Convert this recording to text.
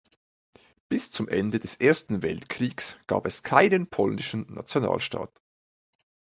Bis zum Ende des Ersten Weltkriegs gab es keinen polnischen Nationalstaat.